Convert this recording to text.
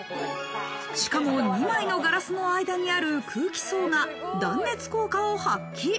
しかも２枚のガラスの間にある空気層が断熱効果を発揮。